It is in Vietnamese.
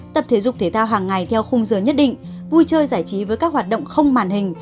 tập thể dục thể thao hàng ngày theo khung giờ nhất định vui chơi giải trí với các hoạt động không màn hình